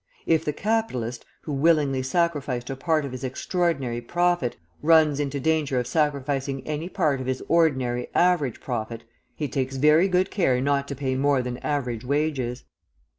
If the capitalist, who willingly sacrificed a part of his extraordinary profit, runs into danger of sacrificing any part of his ordinary average profit, he takes very good care not to pay more than average wages.